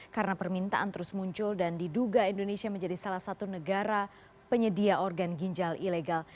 karena permintaan terus muncul dan diduga indonesia menjadi salah satu negara penyedia organ ginjal ilegal